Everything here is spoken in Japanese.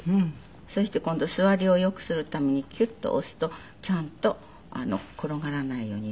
そして今度座りを良くするためにキュッと押すとちゃんと転がらないようにできますのでね。